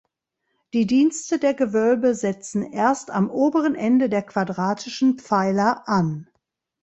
Die Dienste der Gewölbe setzen erst am oberen Ende der quadratischen Pfeiler an.